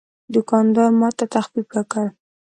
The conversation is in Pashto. دوکاندار ماته تخفیف راکړ.